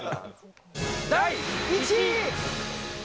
第１位！